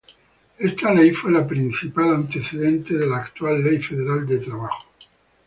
Esta ley fue el principal antecedente de la actual Ley Federal del Trabajo.